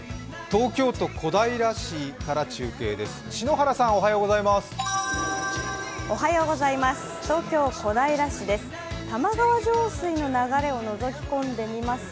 東京都小平市から中継です。